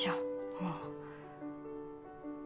もう。